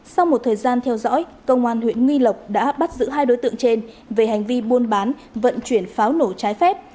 sau một thời gian theo dõi công an huyện nghi lộc đã bắt giữ hai đối tượng trên về hành vi buôn bán vận chuyển pháo nổ trái phép